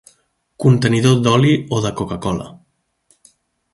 Contenidor d'oli o de coca-cola.